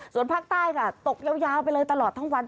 ส่วนภาคใต้ค่ะตกยาวไปเลยตลอดทั้งวัน